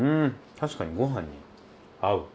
確かにご飯に合う！